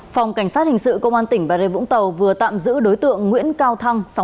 phòng cảnh sát hình sự công an tỉnh bà rê vũng tàu vừa tạm giữ đối tượng nguyễn cao thăng